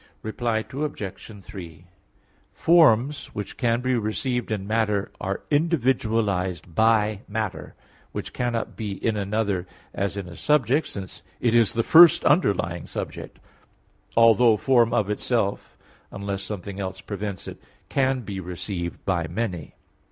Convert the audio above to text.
Reply Obj. 3: Forms which can be received in matter are individualized by matter, which cannot be in another as in a subject since it is the first underlying subject; although form of itself, unless something else prevents it, can be received by many.